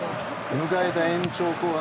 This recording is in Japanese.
迎えた延長後半。